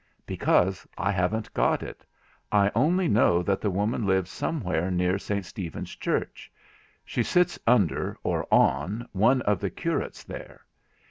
'Because I haven't got it. I only know that the woman lives somewhere near St Stephen's Church—she sits under, or on, one of the curates there.